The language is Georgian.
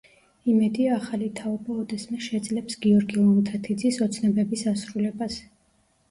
იმედია, ახალი თაობა ოდესმე შეძლებს გიორგი ლომთათიძის ოცნებების ასრულებას.